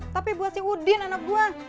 tapi buat si udin anak buah